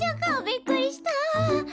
びっくりした。